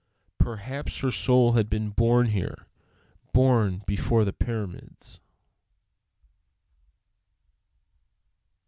Perhaps her soul had been born here, born before the pyramids.